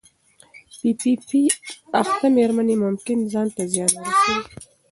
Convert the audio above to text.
پی پي پي اخته مېرمنې ممکن ځان ته زیان ورسوي.